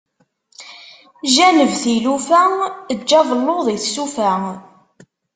Janeb tilufa eǧǧ abelluḍ i tsufa.